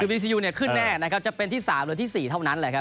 บีซียูเนี่ยขึ้นแน่นะครับจะเป็นที่๓หรือที่๔เท่านั้นแหละครับ